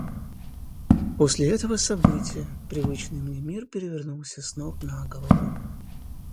После этого события привычный мне мир перевернулся с ног на голову.